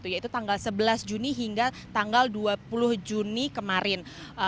yaitu tanggal sebelas juni hingga tanggal dua puluh juni kemarin